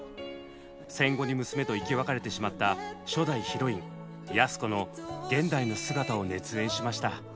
戦後に娘と生き別れてしまった初代ヒロイン安子の現代の姿を熱演しました。